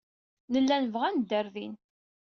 Nella nebɣa ad neddu ɣer din.